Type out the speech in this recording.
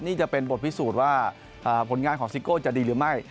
นี่จะเป็นบทพิสูจน์ว่าผลงานของซิโก้จะดีหรือไม่